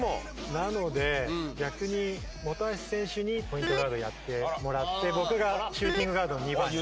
なので逆に本橋選手にポイントガードやってもらって僕がシューティングガードの２番で。